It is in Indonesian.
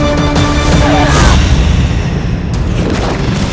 aku akan pergi ke istana yang lain